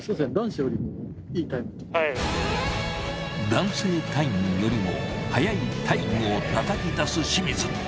男性隊員よりも速いタイムをたたきだす清水。